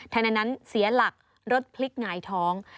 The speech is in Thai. ขณะนั้นเสียหลักรถพลิกหงายท้อง